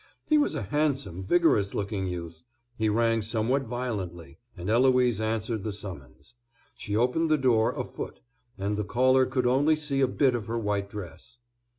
He was a handsome vigorous looking youth. He rang somewhat violently; and Eloise answered the summons. She opened the door a foot, and the caller could only see a bit of her white dress.